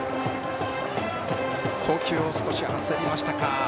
送球を少し焦りましたか。